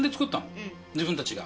自分たちが。